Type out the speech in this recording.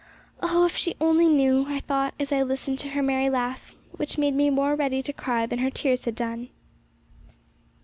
Oh! if she only knew, I thought, as I listened to her merry laugh, which made me more ready to cry than her tears had done.